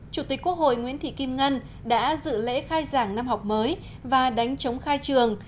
chủ tịch quốc hội nguyễn thị kim ngân đã dự lễ khai giảng năm học mới và đánh chống khai trường